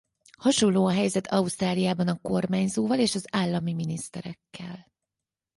Hasonló a helyzet Ausztráliában a kormányzóval és az állami miniszterekkel.